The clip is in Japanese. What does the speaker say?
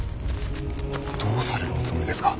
どうされるおつもりですか。